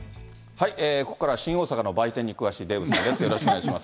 ここからは新大阪の売店に詳しいデーブさんです。